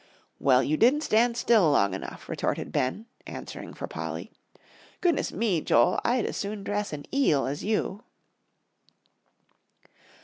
"Well, you didn't stand still long enough," retorted Ben, answering for Polly. "Goodness me, Joel, I'd as soon dress an eel as you!"